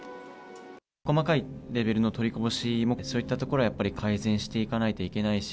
細かいレベルの取りこぼしも、そういったところはやっぱり改善していかないといけないし。